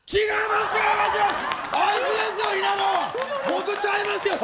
違います！